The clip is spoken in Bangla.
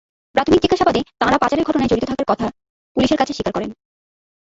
প্রাথমিক জিজ্ঞাসাবাদে তাঁরা পাচারের ঘটনায় জড়িত থাকার কথার পুলিশের কাছে স্বীকার করেন।